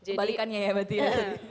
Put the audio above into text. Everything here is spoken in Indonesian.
kebalikannya ya berarti ya